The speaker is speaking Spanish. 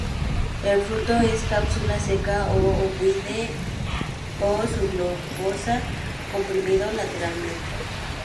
El fruto es cápsula seca ovoide o subglobosa, comprimido lateralmente.